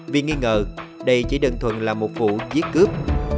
vì nghi ngờ đây chỉ đơn thuần là một vụ giết cướp